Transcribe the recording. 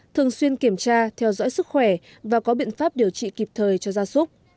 thường xuyên kiểm tra theo dõi sức khỏe và có biện pháp điều trị kịp thời cho gia súc